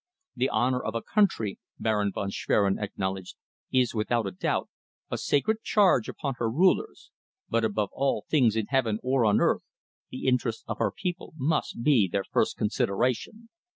"The honour of a country," Baron von Schwerin acknowledged, "is, without doubt, a sacred charge upon her rulers, but above all things in heaven or on earth, the interests of her people must be their first consideration.